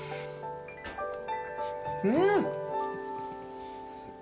うん！